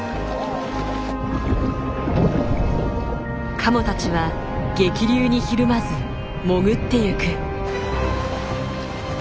カモたちは激流にひるまず潜っていく。